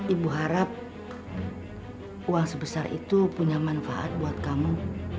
ibu harap uang sebesar itu punya manfaat buat kamu